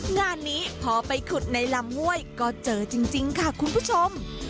งานนี้พอไปขุดในลำห้วยก็เจอจริงค่ะคุณผู้ชม